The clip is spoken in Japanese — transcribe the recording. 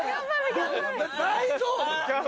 大丈夫？